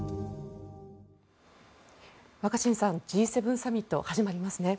若新さん、Ｇ７サミット始まりますね。